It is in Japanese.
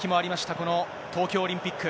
この東京オリンピック。